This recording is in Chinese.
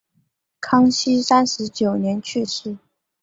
康熙三十九年去世。